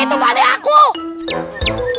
ini rumah layaknya ubat nih a